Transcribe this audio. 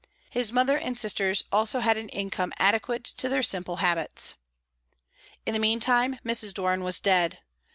His mother and sisters had also an income adequate to their simple habits. In the meantime, Mrs. Doran was dead.